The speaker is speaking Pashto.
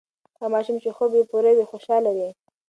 هغه ماشوم چې خوب یې پوره وي، خوشاله وي.